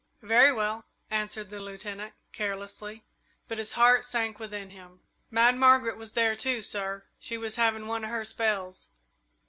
"Very well," answered the Lieutenant, carelessly; but his heart sank within him. "Mad Margaret was there, too, sir she was havin' one of her spells."